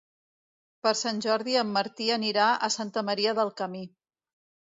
Per Sant Jordi en Martí anirà a Santa Maria del Camí.